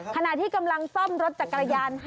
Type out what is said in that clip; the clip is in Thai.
ขณะที่กำลังซ่อมรถจักรยาน